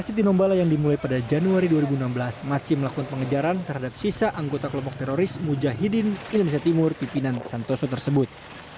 si tinombala yang dimulai pada januari dua ribu enam belas masih melakukan pengejaran terhadap sisa anggota kelompok teroris mujahidin indonesia timur pimpinan santoso tersebut